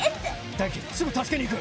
大樹すぐ助けに行く！